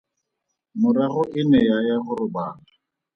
Morago e ne ya ya go robala.